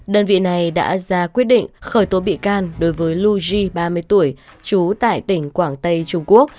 đơn vị này đã ra quyết định khởi tố bị can đối với lu ji ba mươi tuổi chú tại tỉnh quảng tây trung quốc